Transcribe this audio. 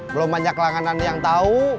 belum banyak langanan yang tau